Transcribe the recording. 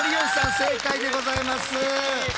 正解でございます。